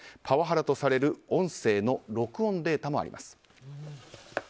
パワハラとされる音声の録音データもあります。